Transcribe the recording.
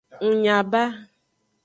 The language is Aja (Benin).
Ng nya ba.